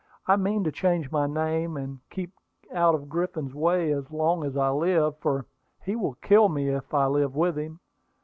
I mean to change my name, and keep out of Griffin's way as long as I live, for he will kill me if I live with him.